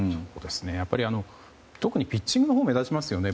やっぱり特にピッチングが目立ちますね。